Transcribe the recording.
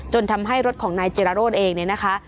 ทำให้รถของนายจิรโรธเองเนี่ยนะคะ